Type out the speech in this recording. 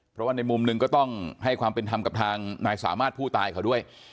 เพราะว่าในมุมหนึ่งก็ต้องให้ความเป็นธรรมกับทางนายสามารถผู้ตายเขาด้วย